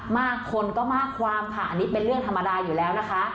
มากคนก็มากความค่ะอันนี้เป็นเรื่องธรรมดาอยู่แล้วนะคะ